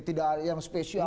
tidak ada yang spesial